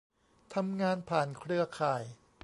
ทำงานผ่านเครือข่าย